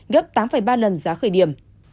gấp tám ba lần giá khởi điểm